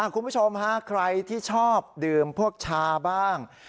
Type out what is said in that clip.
คุณผู้ชมฮะใครที่ชอบดื่มพวกชาบ้าง